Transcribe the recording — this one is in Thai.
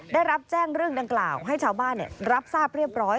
ได้รับแจ้งเรื่องดังกล่าวให้ชาวบ้านรับทราบเรียบร้อย